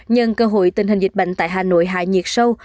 nhân cơ hội tình hình dịch bệnh tại hà nội hạ nhiệt sâu